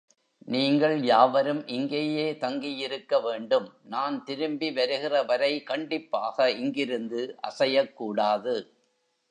நீங்கள் யாவரும் இங்கேயே தங்கியிருக்க வேண்டும் நான் திரும்பி வருகிறவரை கண்டிப்பாக இங்கிருந்து அசையக் கூடாது.